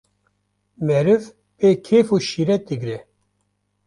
meriv pê kêf û şîret digre.